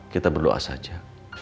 kita berdoa saja